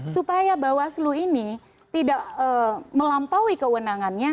supaya bawaslu ini tidak melampaui kewenangannya